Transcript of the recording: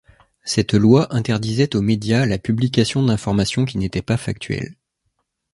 Cette loi interdisait aux médias la publication d’information qui n’était pas factuel.